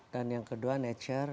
dan yang kedua nature